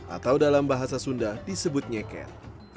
atau dalam bahasa sunda disebut nyeker